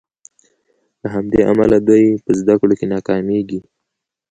له همدې امله دوی په زدکړو کې ناکامیږي.